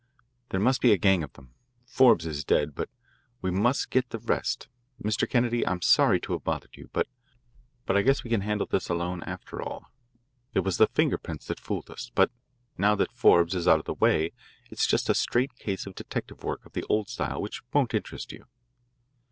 "There must be a gang of them. Forbes is dead, but we must get the rest. Mr. Kennedy, I'm sorry to have bothered you, but I guess we can handle this alone, after all. It was the finger prints that fooled us, but now that Forbes is out of the way it's just a straight case of detective work of the old style which won't interest you."